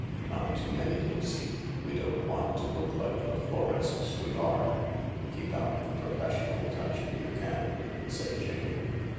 (" Not too many," Lucy ; "we don't want to look like the florists we are. Keep out the professional touch if you can," said Jane.)